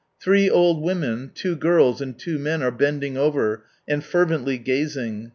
Three old women, two girls, and two men C~%i^ are bending over, and fervently gazing.